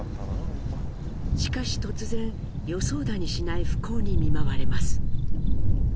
しかし突然予想だにしない不幸に見舞われます。